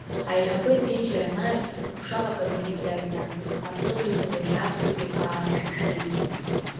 Аиҳабы аԥенџьыр анааирт, ԥшак акабинет иааҩнасит, астол иқәыз ақьаадқәагьы ааршәыршәырит.